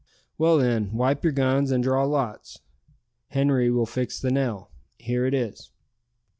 "Well, then, wipe your guns and draw lots. Henri will fix the nail. Here it is."